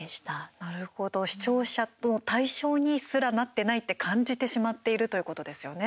なるほど視聴者の対象にすらなってないって感じてしまっているということですよね。